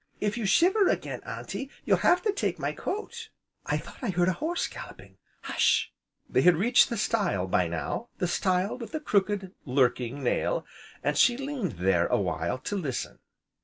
If you shiver again Auntie you'll have to take my coat!" "I thought I heard a horse galloping hush!" They had reached the stile, by now, the stile with the crooked, lurking nail, and she leaned there, a while, to listen.